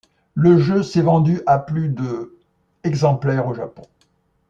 Le jeu s'est vendu à plus de exemplaire au Japon.